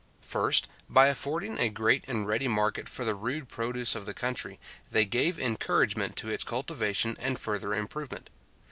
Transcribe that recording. First, by affording a great and ready market for the rude produce of the country, they gave encouragement to its cultivation and further improvement.